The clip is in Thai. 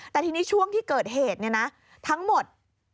แต่ทีนี้ช่วงที่เกิดเหตุเนี่ยนะทั้งหมด